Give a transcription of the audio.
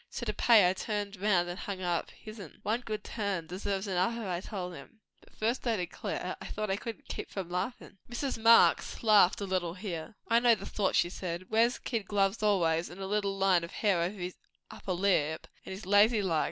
So to pay, I turned round and hung up his'n. One good turn deserves another, I told him. But at first, I declare, I thought I couldn't keep from laughin'." Mrs. Marx laughed a little here. "I know the sort," she said. "Wears kid gloves always and a little line of hair over his upper lip, and is lazy like.